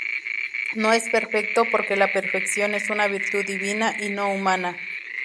No es perfecto, porque la perfección es una virtud divina y no humana.